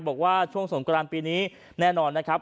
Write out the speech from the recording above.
บอกว่าช่วงสงกรานปีนี้แน่นอนนะครับ